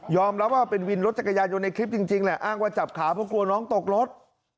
รับว่าเป็นวินรถจักรยานยนต์ในคลิปจริงแหละอ้างว่าจับขาเพราะกลัวน้องตกรถ